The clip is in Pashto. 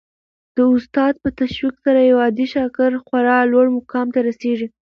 د استاد په تشویق سره یو عادي شاګرد خورا لوړ مقام ته رسېږي.